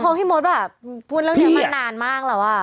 พูดเรื่องแบบนี้มานานมากหรือ